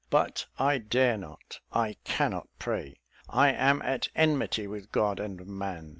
But I dare not I cannot pray; I am at enmity with God and man.